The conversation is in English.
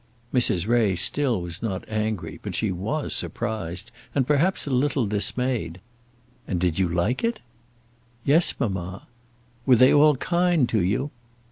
Mrs. Ray still was not angry; but she was surprised, and perhaps a little dismayed. "And did you like it?" "Yes, mamma." "Were they all kind to you?"